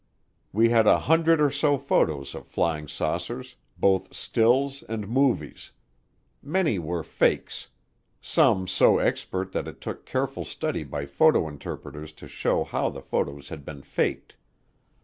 We had a hundred or so photos of flying saucers, both stills and movies. Many were fakes some so expert that it took careful study by photo interpreters to show how the photos had been faked.